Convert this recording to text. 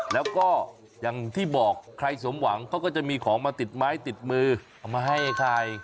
แล้วก็อย่างที่บอกใครสมหวังเขาก็จะมีของมาติดไม้ติดมือเอามาให้ใคร